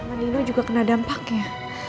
andino juga kena dampaknya